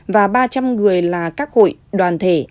và ba trăm linh người là các hội đoàn thể